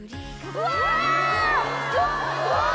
うわ！